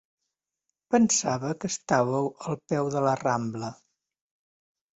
Pensava que estàveu al peu de la Rambla.